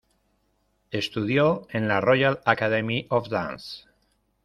Estudió en la Royal Academy of Dance.